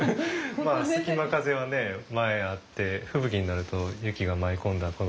まあ隙間風は前あって吹雪になると雪が舞い込んだ。